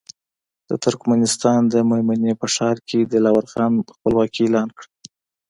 د ترکستان د مېمنې په ښار کې دلاور خان خپلواکي اعلان کړه.